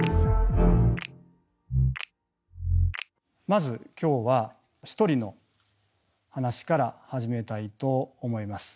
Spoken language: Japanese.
まず今日は一人の話から始めたいと思います。